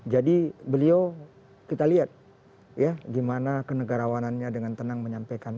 jadi beliau kita lihat gimana kenegarawanannya dengan tenang menyampaikan